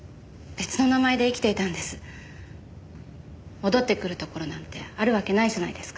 戻ってくるところなんてあるわけないじゃないですか。